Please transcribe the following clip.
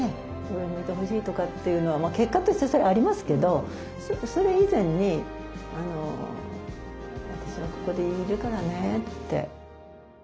上を向いてほしいとかっていうのは結果としてそれはありますけどそれ以前に私はここにいるからねって。